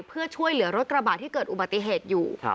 เพื่อช่วยเหลือรถกระบาดที่เกิดอุบัติเหตุอยู่